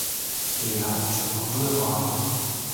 Leyla çırpındı ve bağırdı.